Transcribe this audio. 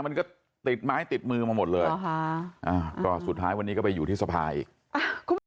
มันก็ติดไม้ติดมือมาหมดเลยก็สุดท้ายวันนี้ก็ไปอยู่ที่สภาอีกคุณผู้ชม